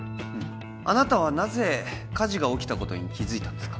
あなたはなぜ火事が起きたことに気づいたんですか？